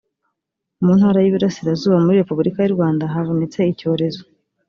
mu ntara y iburasirazuba muri repubulika y urwanda habonetse icyorezo